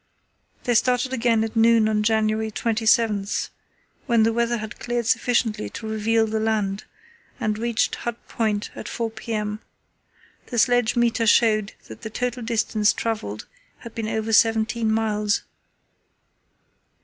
They started again at noon on January 27, when the weather had cleared sufficiently to reveal the land, and reached Hut Point at 4 p.m. The sledge meter showed that the total distance travelled had been over seventeen miles.